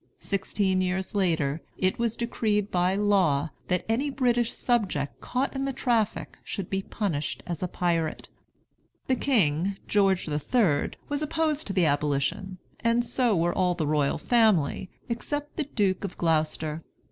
Sixteen years later, it was decreed by law that any British subject caught in the traffic should be punished as a pirate. The king, George the Third, was opposed to the abolition, and so were all the royal family, except the Duke of Gloucester.